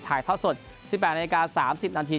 ถ่ายเท่าสด๑๘นาฬิกา๓๐นาที